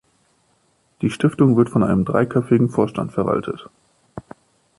Die Stiftung wird von einem dreiköpfigen Vorstand verwaltet.